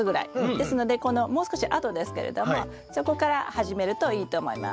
ですのでこのもう少しあとですけれどもそこから始めるといいと思います。